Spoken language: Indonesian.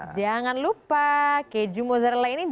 jangan lupa keju mozzarella ini jadi apa